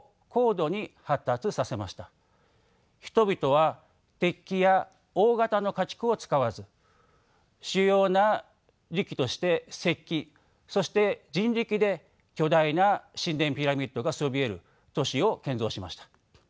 人々は鉄器や大型の家畜を使わず主要な利器として石器そして人力で巨大な神殿ピラミッドがそびえる都市を建造しました。